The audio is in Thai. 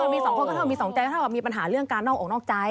มีสองคนก็เท่ามี๒ใจเท่ากับมีปัญหาเรื่องการนอกอกนอกใจ